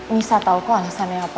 nisa tau aku alasannya apa